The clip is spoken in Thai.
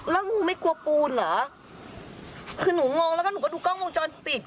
แล้วงูไม่กลัวปูนเหรอคือหนูงงแล้วก็หนูก็ดูกล้องวงจรปิด